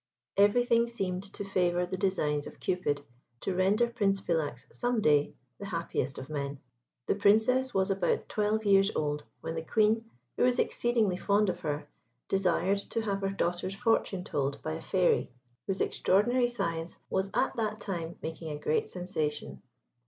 Everything seemed to favour the designs of Cupid to render Prince Philax some day the happiest of men. The Princess was about twelve years old when the Queen, who was exceedingly fond of her, desired to have her daughter's fortune told by a Fairy, whose extraordinary science was at that time making a great sensation.